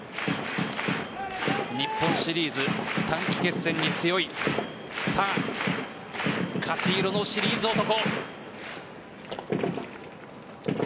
日本シリーズ、短期決戦に強いさあ、勝ち色のシリーズ男。